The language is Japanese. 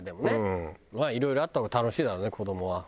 まあいろいろあった方が楽しいだろうね子どもは。